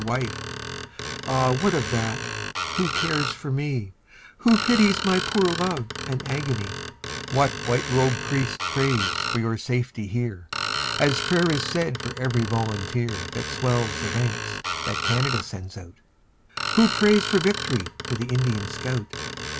Your wife? Ah, what of that, who cares for me? Who pities my poor love and agony? What white robed priest prays for your safety here, As prayer is said for every volunteer That swells the ranks that Canada sends out? Who prays for vict'ry for the Indian scout?